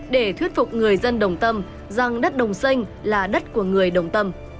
để thuyết phục người dân đồng tâm rằng đất đồng xanh là đất của người đồng tâm